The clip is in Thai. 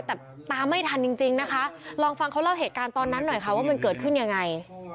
แต่ตามไม่ทันจริงนะคะลองฟังเขาเล่าเหตุการณ์ตอนนั้นหน่อยค่ะว่ามันเกิดขึ้นยังไง